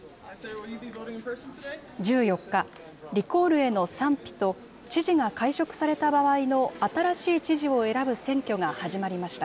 １４日、リコールへの賛否と、知事が解職された場合の新しい知事を選ぶ選挙が始まりました。